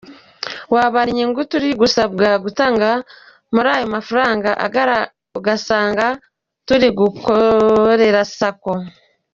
Wabara inyungu turi gusabwa gutanga kuri ayo mafaranga, ugasanga turi gukorera Sacco.